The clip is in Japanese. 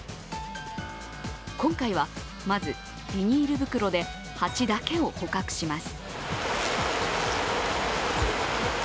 今回は、まずビニール袋で蜂だけを捕獲します。